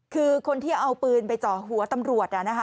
คือคนที่เอาปืนไปเจาะหัวตำรวจ